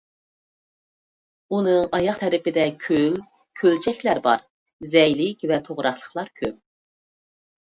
ئۇنىڭ ئاياغ تەرىپىدە كۆل، كۆلچەكلەر بار، زەيلىك ۋە توغراقلىقلار كۆپ.